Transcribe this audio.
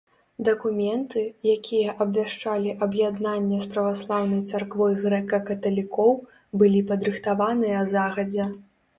Дакументы, якія абвяшчалі аб'яднанне з праваслаўнай царквой грэка-каталікоў былі падрыхтаваныя загадзя.